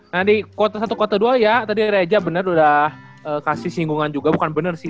nah di kota satu kota dua ya tadi reja bener udah kasih singgungan juga bukan bener sih